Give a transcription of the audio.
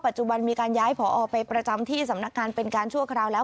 จุบันมีการย้ายผอไปประจำที่สำนักงานเป็นการชั่วคราวแล้ว